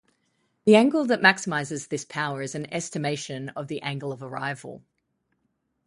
The angle that maximizes this power is an estimation of the angle of arrival.